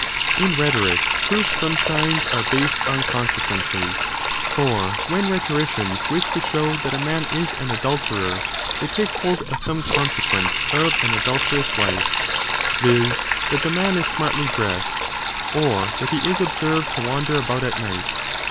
In rhetoric proofs from signs are based on consequences. For when rhetoricians wish to show that a man is an adulterer, they to take hold of some consequence of an adulterous life, viz. that the man is smartly dressed, or that he is observed to wander about at night.